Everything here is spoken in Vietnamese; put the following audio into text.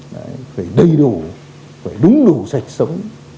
đấy phải đầy đủ phải đúng đủ sạch sống